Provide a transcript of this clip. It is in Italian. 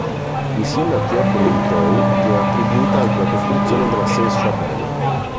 Insieme a Pierre de Montreuil gli è attribuita anche la costruzione della Sainte-Chapelle.